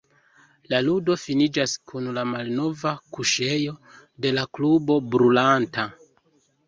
La ludo finiĝas kun la malnova kuŝejo de la klubo brulanta.